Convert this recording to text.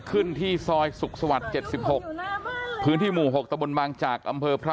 ที่ซอยสุขสวรรค์๗๖พื้นที่หมู่๖ตะบนบางจากอำเภอพระ